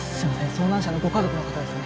遭難者のご家族の方ですよね？